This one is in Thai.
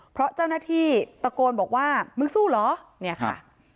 เพราะเจ้าหน้าที่ตะโกนบอกว่ามึงสู้เหรอเนี่ยค่ะ